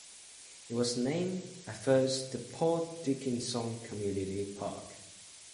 It was named, at first, the Port Dickinson Community Park.